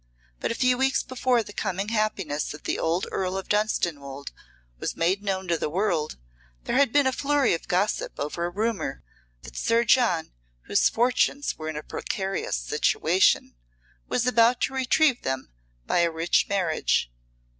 But a few weeks before the coming happiness of the old Earl of Dunstanwolde was made known to the world, there had been a flurry of gossip over a rumour that Sir John, whose fortunes were in a precarious condition, was about to retrieve them by a rich marriage.